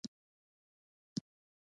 ستا په ساحلونو کې مې زده کړه